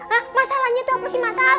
hah masalanya itu apa sih mas al